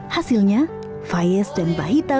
hasilnya fayez dan bahita